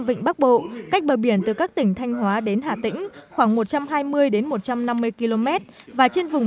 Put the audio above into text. vịnh bắc bộ cách bờ biển từ các tỉnh thanh hóa đến hà tĩnh khoảng một trăm hai mươi một trăm năm mươi km và trên vùng